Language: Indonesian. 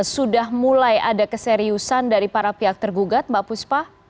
sudah mulai ada keseriusan dari para pihak tergugat mbak puspa